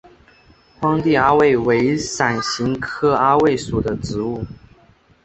荒地阿魏为伞形科阿魏属的植物。